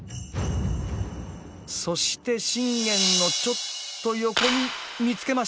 そして信玄のちょっと横に見つけました！